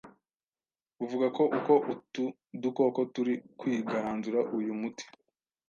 buvuga ko uko utu dukoko turi kwigaranzura uyu muti